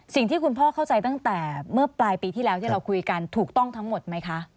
สิ่งที่คุณพ่อเข้าใจตั้งแต่เมื่อปลายปีที่แล้วที่เราคุยกันถูกต้องทั้งหมดไหมคะ